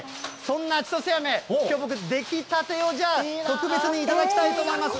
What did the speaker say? そんなちとせあめ、きょう、僕、出来たてを、じゃあ、特別に頂きたいと思います。